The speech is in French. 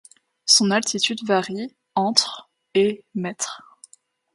Son altitude varie entre et mètres.